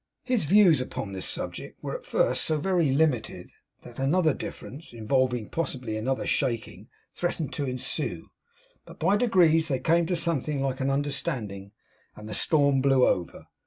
His views upon this subject were at first so very limited that another difference, involving possibly another shaking, threatened to ensue; but by degrees they came to something like an understanding, and the storm blew over.